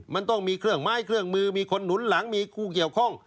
มันต้องมีเครื่องไม้เครื่องมือมีคนหนุนหลังมีคู่เกี่ยวข้อง